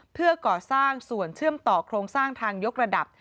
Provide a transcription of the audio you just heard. เพื่อก่อสร้างส่วนเชื่อมต่อโครงสร้างทางยกระดับ